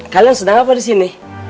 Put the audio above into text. kalian sedang apa disini